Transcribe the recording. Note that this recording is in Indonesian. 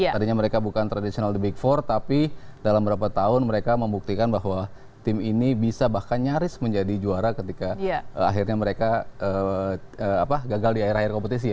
tadinya mereka bukan tradisional di big empat tapi dalam beberapa tahun mereka membuktikan bahwa tim ini bisa bahkan nyaris menjadi juara ketika akhirnya mereka gagal di akhir akhir kompetisi